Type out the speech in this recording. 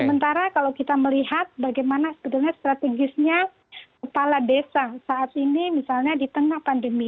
sementara kalau kita melihat bagaimana sebetulnya strategisnya kepala desa saat ini misalnya di tengah pandemi